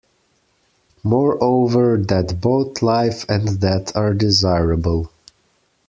Moreover, that both life and death are desirable.